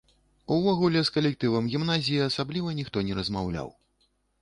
Увогуле, з калектывам гімназіі асабліва ніхто не размаўляў.